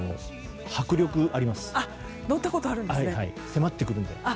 迫ってくるので。